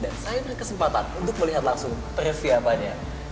dan saya punya kesempatan untuk melihat langsung persiapannya